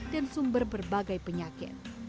dan sumber berbagai penyakit